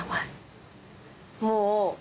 もう。